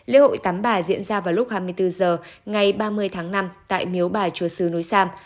lễ hội tắm bà diễn ra vào lúc hai mươi bốn h ngày ba mươi tháng năm tại miếu bà chùa sứ núi sam